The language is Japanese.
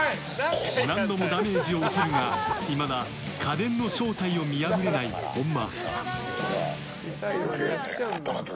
何度もダメージを受けるがいまだ家電の正体を見破れない本間。